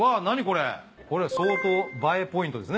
これ相当映えポイントですね。